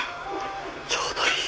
ちょうどいい。